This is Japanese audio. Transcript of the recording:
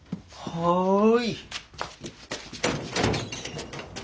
はい。